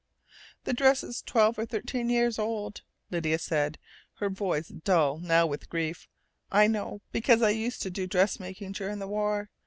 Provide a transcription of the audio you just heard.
"The dress is twelve or thirteen years old," Lydia said, her voice dull now with grief. "I know, because I used to do dressmaking during the war.